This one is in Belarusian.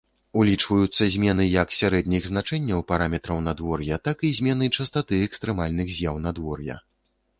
Улічваюцца змены як сярэдніх значэнняў параметраў надвор'я, так і змены частаты экстрэмальных з'яў надвор'я.